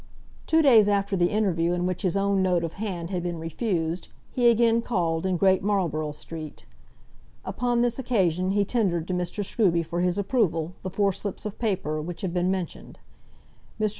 Two days after the interview in which his own note of hand had been refused, he again called in Great Marlborough Street. Upon this occasion he tendered to Mr. Scruby for his approval the four slips of paper which have been mentioned. Mr.